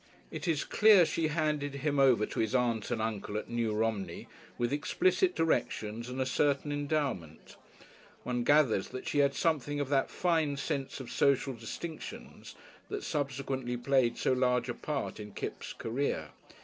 It is clear she handed him over to his aunt and uncle at New Romney with explicit directions and a certain endowment. One gathers she had something of that fine sense of social distinctions that subsequently played so large a part in Kipps' career.